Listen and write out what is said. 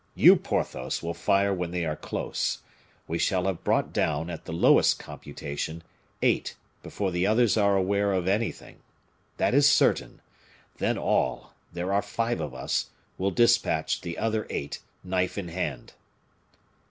You, Porthos, will fire when they are close. We shall have brought down, at the lowest computation, eight, before the others are aware of anything that is certain; then all, there are five of us, will dispatch the other eight, knife in hand."